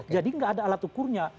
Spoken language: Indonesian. jadi nggak ada alat ukurnya